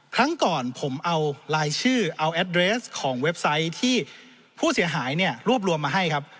ครั้งก่อนผมเอารายชื่อเอาแอดเรสของเว็บไซต์ที่ผู้เสียหายเนี่ยรวบรวมมาให้ครับ